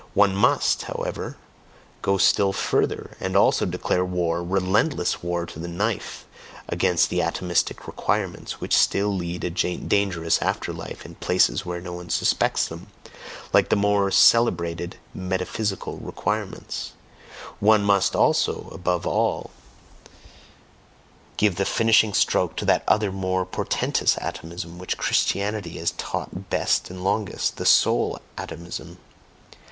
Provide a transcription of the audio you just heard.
One must, however, go still further, and also declare war, relentless war to the knife, against the "atomistic requirements" which still lead a dangerous after life in places where no one suspects them, like the more celebrated "metaphysical requirements": one must also above all give the finishing stroke to that other and more portentous atomism which Christianity has taught best and longest, the SOUL ATOMISM.